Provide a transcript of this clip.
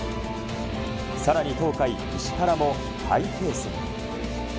さらに東海、石原もハイペースに。